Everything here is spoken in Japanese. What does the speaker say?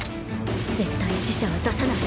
絶対死者は出さない。